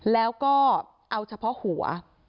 แล้วก็เอาเฉพาะหัว